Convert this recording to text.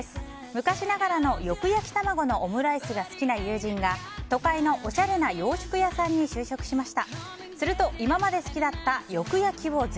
昔ながらのよく焼き卵のオムライスが好きな友人が都会のおしゃれな洋食屋さんに就職しました。